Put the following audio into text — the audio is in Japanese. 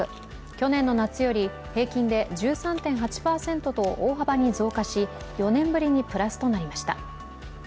去年の夏より平均で１３．８％と大幅に増加し４年ぶりにプラスとなりました。